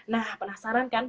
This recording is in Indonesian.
nah penasaran kan